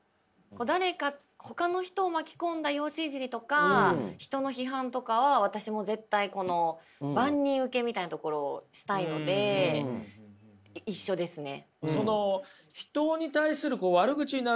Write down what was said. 誰かほかの人を巻き込んだ容姿いじりとか人の批判とかは私も絶対この万人受けみたいなところをしたいのでお互いの価値観としてね。